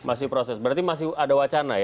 masih proses berarti masih ada wacana ya